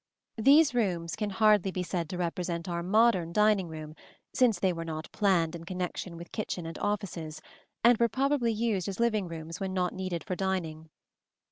These rooms can hardly be said to represent our modern dining room, since they were not planned in connection with kitchen and offices, and were probably used as living rooms when not needed for dining.